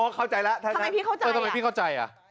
อ๋อเข้าใจแล้วท่านครับเออทำไมพี่เข้าใจอ่ะทำไมพี่เข้าใจ